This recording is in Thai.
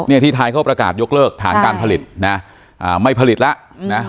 เนี่ยที่ไทยเขาประกาศยกเลิกฐานการผลิตนะอ่าไม่ผลิตแล้วนะ